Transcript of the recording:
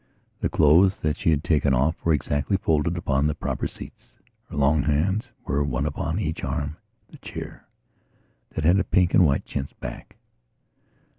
The clothes that she had taken off were exactly folded upon the proper seats. Her long hands were one upon each arm of the chair that had a pink and white chintz back.